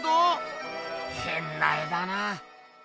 へんな絵だなあ。